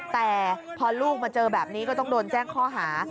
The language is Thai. แต่พอลูกมาเจอแบบนี้ก็ต้องโดนแจ้งข้อหา